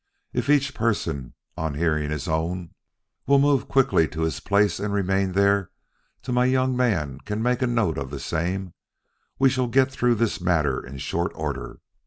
If each person, on hearing his own, will move quickly to his place and remain there till my young man can make a note of the same, we shall get through this matter in short order.